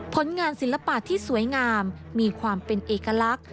ผลงานศิลปะที่สวยงามมีความเป็นเอกลักษณ์